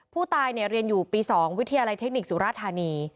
ผู้ตายเรียนอยู่ปี๒วิทยาลัยเทคนิคสุราธานี